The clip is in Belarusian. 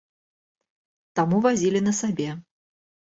Таму вазілі на сабе.